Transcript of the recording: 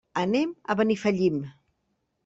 Anem a Benifallim.